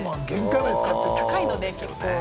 高いので結構。